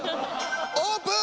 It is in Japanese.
オープン！